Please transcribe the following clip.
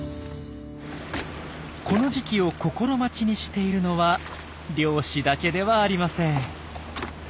この時期を心待ちにしているのは漁師だけではありません。